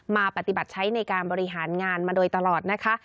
มาปฏิบัติใช้ในการบริหารงานมาโดยตลอดนะคะ